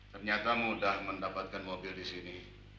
ternyata mudah mendapatkan mobil di sini